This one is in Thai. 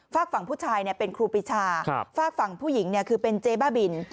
ฝากฝั่งผู้ชายเป็นครูปีชาฝากฝั่งผู้หญิงคือเป็นเจ๊บ้าบิน